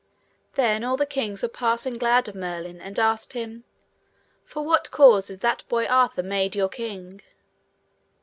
Then all the kings were passing glad of Merlin, and asked him, For what cause is that boy Arthur made your king?